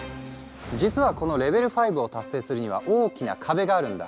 実はこのレベル５を達成するには大きな壁があるんだ。